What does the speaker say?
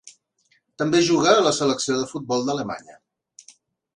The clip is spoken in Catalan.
També juga a la selecció de futbol d'Alemanya.